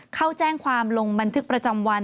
เข้าแจ้งความลงบันทึกประจำวัน